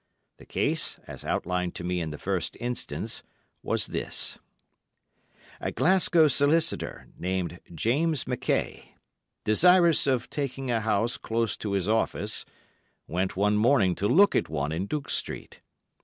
The case, as outlined to me in the first instance, was this:— A Glasgow solicitor, named James McKaye, desirous of taking a house close to his office, went one morning to look at one in Duke Street.